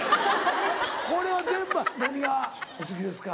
これは何がお好きですか？